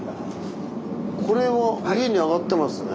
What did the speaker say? これは上に上がってますね。